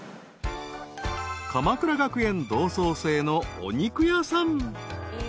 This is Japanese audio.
［鎌倉学園同窓生のお肉屋さん］